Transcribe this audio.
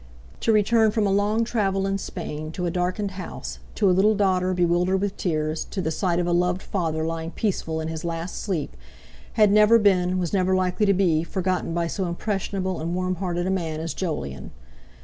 To return from a long travel in Spain to a darkened house, to a little daughter bewildered with tears, to the sight of a loved father lying peaceful in his last sleep, had never been, was never likely to be, forgotten by so impressionable and warm hearted a man as Jolyon.